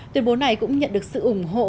tuyên bố này cũng nhận được sự ủng hộ